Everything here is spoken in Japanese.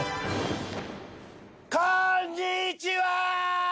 こんにちは！